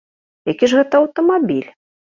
Які ж гэта аўтамабіль?